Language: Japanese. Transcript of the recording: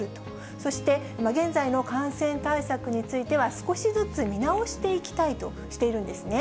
そして、現在の感染対策については、少しずつ見直していきたいとしているんですね。